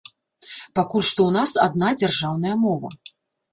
Пакуль што ў нас адна дзяржаўная мова.